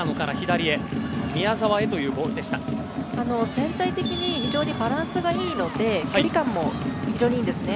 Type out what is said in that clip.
全体的に非常にバランスがいいので距離感も非常にいいんですね。